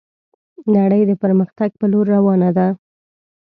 نړي د پرمختګ په لور روانه ده